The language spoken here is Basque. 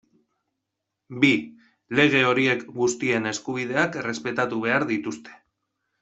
Bi, lege horiek guztien eskubideak errespetatu behar dituzte.